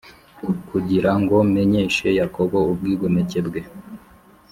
P kugira ngo menyeshe yakobo ubwigomeke bwe